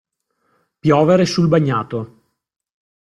Piovere sul bagnato.